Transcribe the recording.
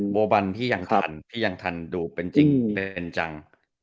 อ๋อโบบันที่ยังทันดูเป็นจริงเต็มจัง